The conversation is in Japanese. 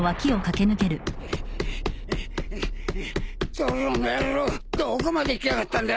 ゾロの野郎どこまで行きやがったんだ！？